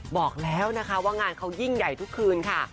บอกแล้วนะคะว่างานเขายิ่งใหญ่ทุกคืนค่ะ